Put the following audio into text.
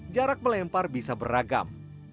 jarak melempar bisa beragam